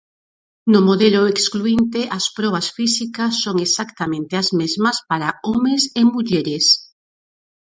No "modelo excluínte" as probas físicas son exactamente as mesmas para homes e mulleres.